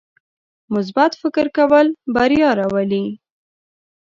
مثبت فکر کول بریا راولي.